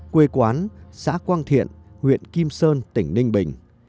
quê quán xã quang thiện huyện kim sơn tỉnh ninh bình